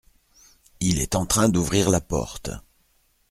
Il est en train d’ouvrir la porte.